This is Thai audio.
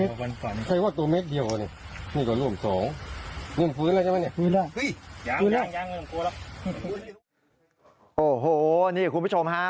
โอ้โหนี่คุณผู้ชมฮะ